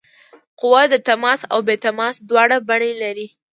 قوه د تماس او بې تماس دواړه بڼې لري.